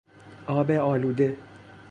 آب آلوده